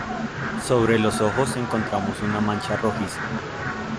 Sobre los ojos encontramos una mancha rojiza.